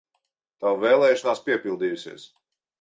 Tava vēlēšanās piepildījusies!